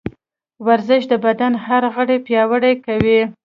ورزش د بدن هر غړی پیاوړی کوي.